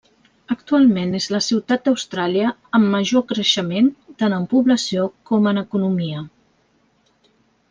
Actualment és la ciutat d'Austràlia amb major creixement tant en població com en economia.